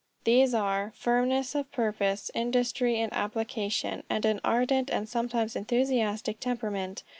These are: firmness of purpose, industry and application, and an ardent, and sometimes enthusiastic temperament.